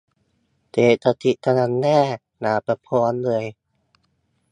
เศรษฐกิจกำลังแย่ อย่าประท้วงเลย